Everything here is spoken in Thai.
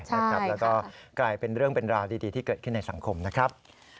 แล้วก็กลายเป็นเรื่องเป็นราวดีที่เกิดขึ้นในสังคมนะครับ